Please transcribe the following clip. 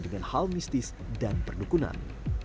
dengan hal mistis dan perdukunan